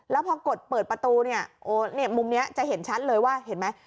แล้วพอกดเปิดประตูเนี่ยโอ้มุมนี้จะเห็นชัดเลยว่าเห็นไหม